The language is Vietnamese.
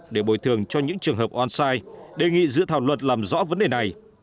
để bồi thường cho những trường hợp on site đề nghị dự thảo luật làm rõ vấn đề này